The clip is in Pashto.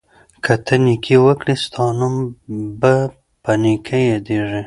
که ته نېکي وکړې، ستا نوم به په نېکۍ یادیږي.